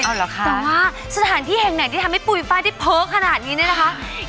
แต่ว่าสถานที่แห่งไหนที่ทำให้ปุ่ยฟ้าที่เพิ่งขนาดนี้เนี่ยนะฮะ